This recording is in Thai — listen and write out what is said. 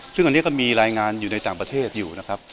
ซึ่งอันนี้ก็มีรายงานอยู่ในต่างประเทศอยู่นะครับ